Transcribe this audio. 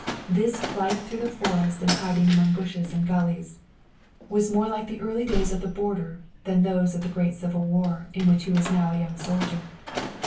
This flight through the forest and hiding among bushes and gulleys was more like the early days of the border than those of the great civil war in which he was now a young soldier.